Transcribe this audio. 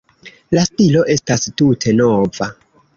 La stilo estas tute nova.